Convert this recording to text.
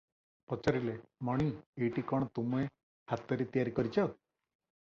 ପଚାରିଲେ "ମଣି! ଏଇଟି କଣ ତୁମେ ହାତରେ ତିଆରି କରିଚ?"